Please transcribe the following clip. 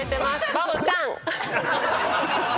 バボちゃん！